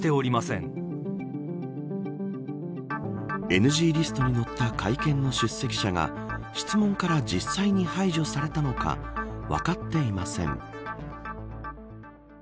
ＮＧリストに載った会見の出席者が質問から実際に排除されたのかは分かっていません。